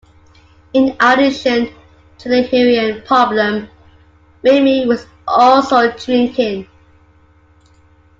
In addition to the heroin problem, Ramey was also drinking.